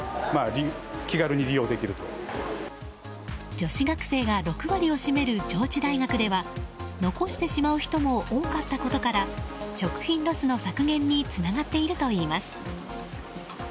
女子学生が６割を占める上智大学では残してしまう人も多かったことから食品ロスの削減につながっているといいます。